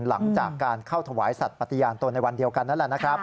หลังจากการเข้าถวายสัตว์ปฏิญาณตนในวันเดียวกันนั่นแหละนะครับ